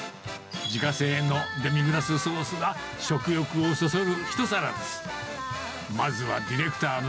自家製のデミグラスソースが食欲をそそる一皿です。